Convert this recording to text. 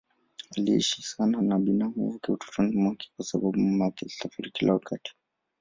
Aliishi sana na binamu yake utotoni mwake kwa sababu mama yake alisafiri kila wakati.